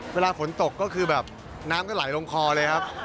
เวลาฝนตกก็คือแบบน้ำก็ไหลลงคอเลยครับ